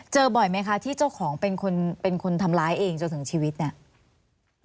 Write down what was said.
บ่อยไหมคะที่เจ้าของเป็นคนเป็นคนทำร้ายเองจนถึงชีวิตเนี่ย